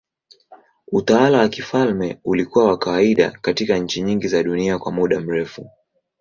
Utawala wa kifalme ulikuwa wa kawaida katika nchi nyingi za dunia kwa muda mrefu.